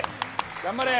頑張れ！